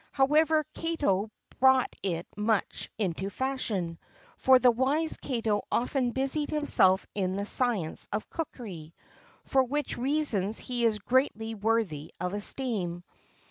However, Cato brought it much into fashion, for the wise Cato often busied himself in the science of cookery, for which reason he is greatly worthy of esteem.